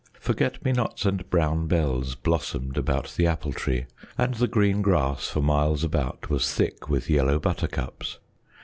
Forget me nots and brown bells blossomed about the Apple Tree, and the green grass for miles about was thick with yellow buttercups.